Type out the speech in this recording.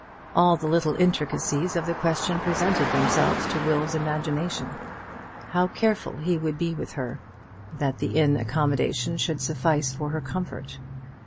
All the little intricacies of the question presented themselves to Will's imagination. How careful he would be with her, that the inn accommodation should suffice for her comfort!